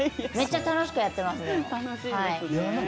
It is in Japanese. めっちゃ楽しくやってます、でも。